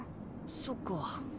そっか。